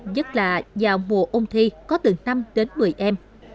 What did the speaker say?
nhất là vào mùa ung thi có từ năm đến một mươi em